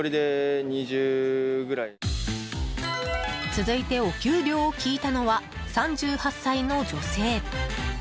続いて、お給料を聞いたのは３８歳の女性。